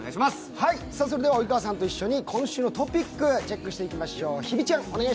それでは及川さんと一緒に、今週のトピック、チェックしていきましょう。